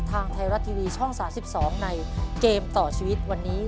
ทางไทยรัฐทีวีช่อง๓๒ในเกมต่อชีวิตวันนี้